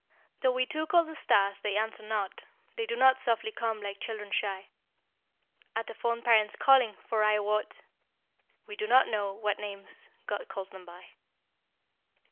Though we too call the stars, they answer not, They do not softly come like children shy At a fond parent's calling, for, I wot, We do not know what names God calls them by.